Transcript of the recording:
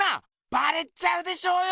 バレちゃうでしょうよ！